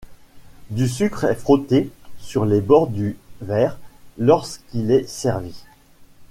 Du sucre est frotté sur les bords du verre lorsqu'il est servi.